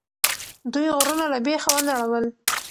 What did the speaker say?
دوی غرونه له بیخه ونړول.